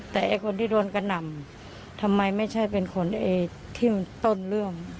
ไม่ได้คนที่โดนกระหน่ำทำไมไม่ใช่คนที่ต้นเรื่อง